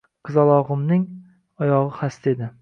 Qizalog`imning oyog`i xasta edi